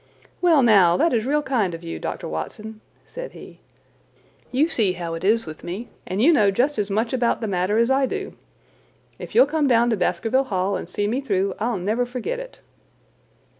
"Well, now, that is real kind of you, Dr. Watson," said he. "You see how it is with me, and you know just as much about the matter as I do. If you will come down to Baskerville Hall and see me through I'll never forget it."